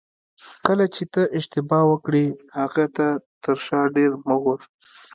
کله چې ته اشتباه وکړې هغې ته تر شا ډېر مه ګوره.